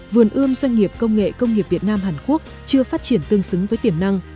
vườn ươm doanh nghiệp công nghệ công nghiệp việt nam hàn quốc chưa phát triển tương xứng với tiềm năng